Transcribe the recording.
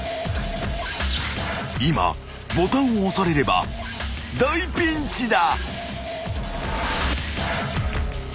［今ボタンを押されれば大ピンチだ］